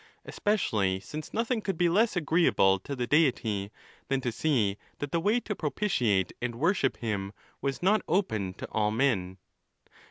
Especially since nothing could be less agreeable to the Deity than to see that the way to propitiate and worship him was not open to all men.